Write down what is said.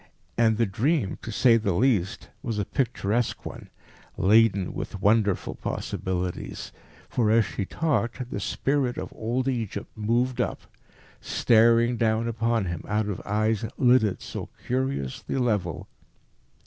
And the dream, to say the least, was a picturesque one, laden with wonderful possibilities. For as she talked the spirit of old Egypt moved up, staring down upon him out of eyes lidded so curiously level.